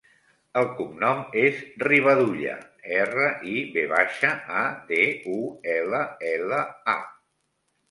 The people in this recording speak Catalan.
El cognom és Rivadulla: erra, i, ve baixa, a, de, u, ela, ela, a.